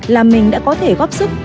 là mình đã có thể góp sức